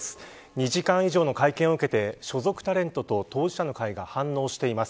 ２時間以上の会見を受けて所属タレントと当事者の会が反応しています。